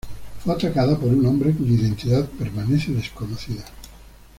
Fue atacada por un hombre cuya identidad permanece desconocida.